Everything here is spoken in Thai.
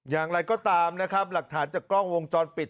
อย่างไรก็ตามนะครับหลักฐานจากกล้องวงจรปิด